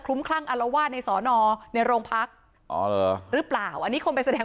คลุ้มคลั่งอัลว่าในสอนอในโรงพักหรือเปล่าอันนี้คงไปแสดง